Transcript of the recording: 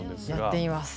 やってみます。